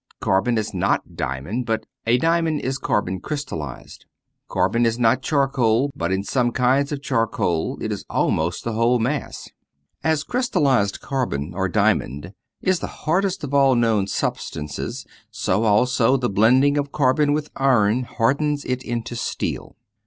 Carbon is not diamond, but a diamond is carbon crystallized. Carbon is not charcoal, but in some kinds of charcoal it is almost the whole mass. As crystallized carbon or diamond is the hardest of all known substances, so also the blending of carbon with iron hardens it into steel.